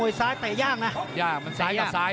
วันนี้เดี่ยงไปคู่แล้วนะพี่ป่านะ